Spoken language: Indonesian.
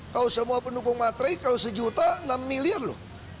kalau semua pendukung materai kalau sejuta enam miliar loh